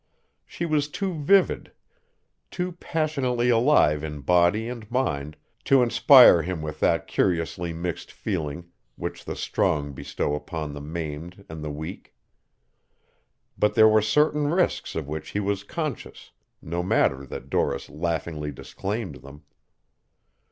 She was too vivid, too passionately alive in body and mind to inspire him with that curiously mixed feeling which the strong bestow upon the maimed and the weak. But there were certain risks of which he was conscious, no matter that Doris laughingly disclaimed them.